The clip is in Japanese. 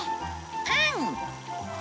うん！